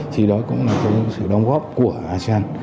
thì đó cũng là sự đóng góp của asean